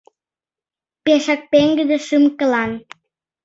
— Пешак пеҥгыде шӱм-кылан.